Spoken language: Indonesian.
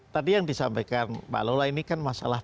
tadi yang disampaikan pak lola ini kan masalah